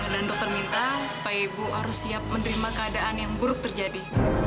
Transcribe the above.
dan dokter minta supaya ibu harus siap menerima keadaan yang buruk terjadi